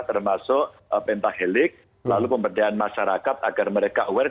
termasuk pentahelik lalu pemberdayaan masyarakat agar mereka aware